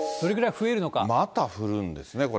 また降るんですね、これ。